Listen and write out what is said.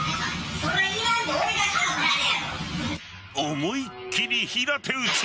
思いっきり平手打ち。